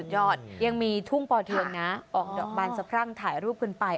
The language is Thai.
ยอดยังมีทุ่งป่อเทืองนะออกดอกบานสะพรั่งถ่ายรูปกันไป